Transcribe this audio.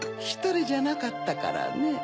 ひとりじゃなかったからね。